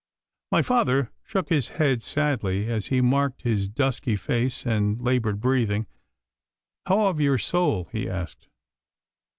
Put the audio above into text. My father shook his head sadly as he marked his dusky face and laboured breathing. 'How of your soul?' he asked.